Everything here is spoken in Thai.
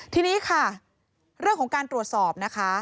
ทีนี้ค่ะเรื่องของการตรวจสอบนะคะ